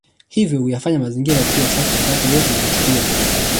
Hivyo kuyafanya mazingira kuwa safi wakati wote na kuvutia zaidi